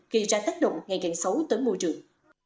gây ra tác động ngày càng xấu tới môi trường